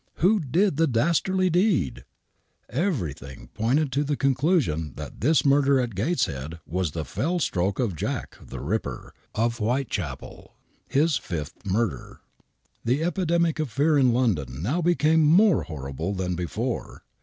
Who did the dastardly deed ? Everything pointed to the conclusion that this murder at Gateshead was the fell stroke of " Jack, the Ripper," of White chapel, his fifth murder. The epidemic of fear in London now became more horrible than before.